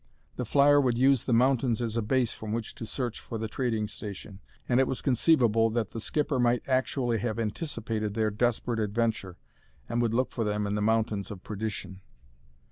The flyer would use the mountains as a base from which to search for the trading station, and it was conceivable that the skipper might actually have anticipated their desperate adventure and would look for them in the Mountains of Perdition.